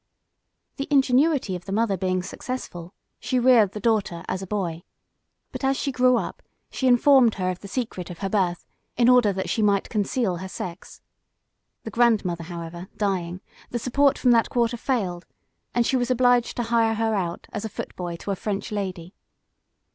The ingenuity of the mother being successful, she reared the daughter as a boy. But as she grew up, she informed her of the secret of her birth, in order that she might conceal her sex. The grandmother, however, dying, the support from that quarter failed, and she was obliged to hire her out as a footboy to a French lady.